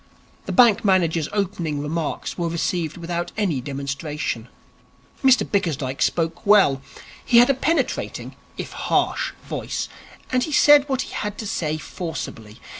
The bank manager's opening remarks were received without any demonstration. Mr Bickersdyke spoke well. He had a penetrating, if harsh, voice, and he said what he had to say forcibly.